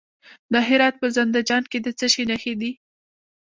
د هرات په زنده جان کې د څه شي نښې دي؟